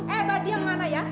eh diam mana ya